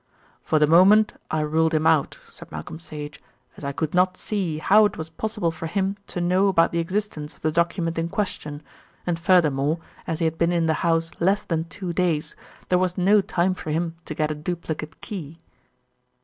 "For the moment I ruled him out," said Malcolm Sage, "as I could not see how it was possible for him to know about the existence of the document in question, and furthermore, as he had been in the house less than two days, there was no time for him to get a duplicate key."